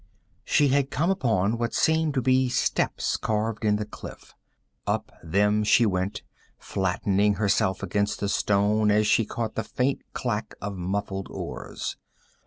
She had come upon what seemed to be steps carved in the cliff. Up them she went, flattening herself against the stone as she caught the faint clack of muffled oars.